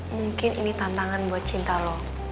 mungkin ini tantangan buat cinta lo